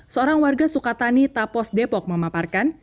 seorang warga sukatani tapos depok memaparkan